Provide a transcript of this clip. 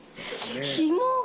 ひもが。